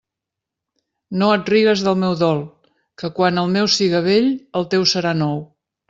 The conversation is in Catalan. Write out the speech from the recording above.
No et rigues del meu dol, que quan el meu siga vell el teu serà nou.